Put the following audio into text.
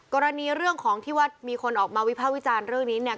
กรณีเรื่องของที่ว่ามีคนออกมาวิภาควิจารณ์เรื่องนี้เนี่ย